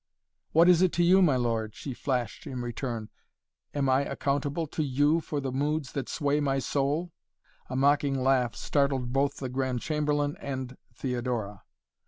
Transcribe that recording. "What is it to you, my lord?" she flashed in return. "Am I accountable to you for the moods that sway my soul?" A mocking laugh startled both the Grand Chamberlain and Theodora.